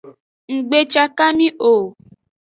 Nggbecakami o.